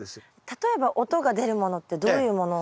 例えば音が出るものってどういうもの？